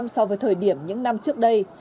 hai trăm linh so với thời điểm những năm trước đây